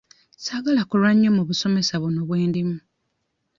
Ssaagala kulwa nnyo mu busomesa buno bwe ndimu.